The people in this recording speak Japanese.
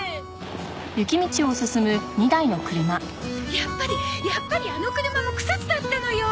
やっぱりやっぱりあの車も草津だったのよ。